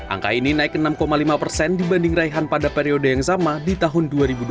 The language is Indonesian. angka ini naik enam lima persen dibanding raihan pada periode yang sama di tahun dua ribu dua puluh